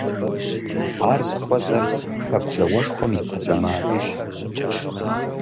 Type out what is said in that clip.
Ар зыхуэзэр Хэку зауэшхуэм ипэ зэманырщ.